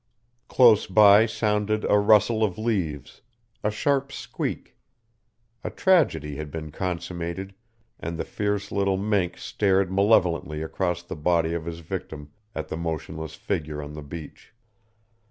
Close by sounded a rustle of leaves, a sharp squeak; a tragedy had been consummated, and the fierce little mink stared malevolently across the body of his victim at the motionless figure on the beach.